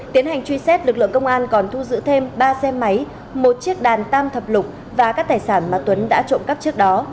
tiến hành truy xét lực lượng công an còn thu giữ thêm ba xe máy một chiếc đàn tam thập lục và các tài sản mà tuấn đã trộm cắp trước đó